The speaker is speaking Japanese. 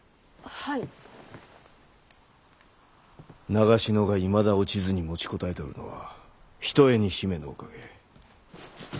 長篠がいまだ落ちずに持ちこたえておるのはひとえに姫のおかげ。